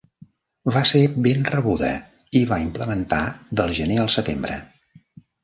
Va ser ben rebuda i va implementar del gener al setembre.